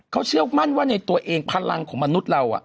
เขาเชื่อมั่นว่าในตัวเองพลังของมนุษย์เรา